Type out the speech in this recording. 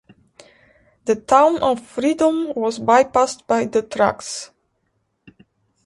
The town of Freedom was bypassed by the tracks.